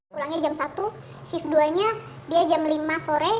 pulangnya jam satu shift dua nya dia jam lima sore